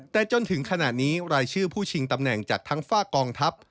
แต่จนถึงขณะนี้รายชื่อผู้ชิงตำแหน่งจากทั้งฝากกองทัพ